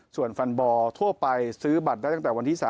ส่วนแฟนบอลทั่วไปซื้อบัตรได้ตั้งแต่วันที่๓